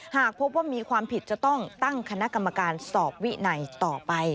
หากพบว่ามีความผิดจะต้องตั้งคณะกรรมการสอบวินัยต่อไป